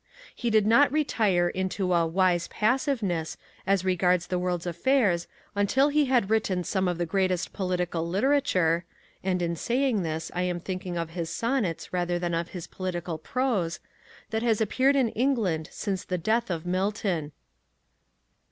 He did not retire into a "wise passiveness" as regards the world's affairs until he had written some of the greatest political literature and, in saying this, I am thinking of his sonnets rather than of his political prose that has appeared in England since the death of Milton.